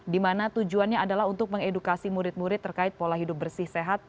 dimana tujuannya adalah untuk mengedukasi murid murid terkait pola hidup bersih sehat